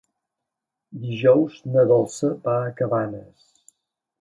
Dijous na Dolça va a Cabanes.